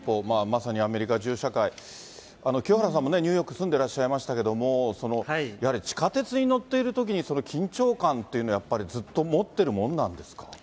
まさにアメリカ銃社会、清原さんもニューヨーク住んでらっしゃいましたけど、やはり地下鉄に乗っているときに、緊張感というのはやっぱりずっと持ってるもんなんですか？